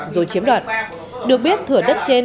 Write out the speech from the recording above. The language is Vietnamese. rồi chiếm đoạt được biết thửa đất trên